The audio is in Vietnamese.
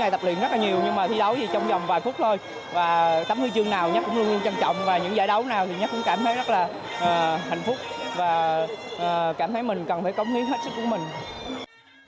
tấm huy chương nào nhất cũng luôn luôn trân trọng và những giải đấu nào nhất cũng cảm thấy rất là hạnh phúc và cảm thấy mình cần phải công nghi hết sức của mình